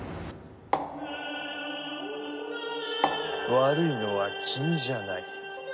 悪いのは君じゃない。